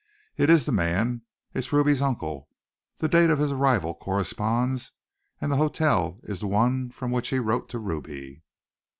"It's the man it's Ruby's uncle! The date of his arrival corresponds, and the hotel is the one from which he wrote to Ruby."